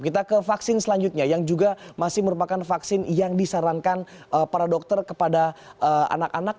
kita ke vaksin selanjutnya yang juga masih merupakan vaksin yang disarankan para dokter kepada anak anak